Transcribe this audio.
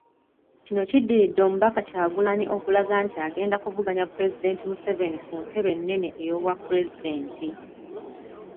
Kino kiddiridde Omubaka Kyagulanyi okulaga nti agenda kuvuganya Pulezidenti Museveni ku ntebe ennene ey'obwapulezidenti.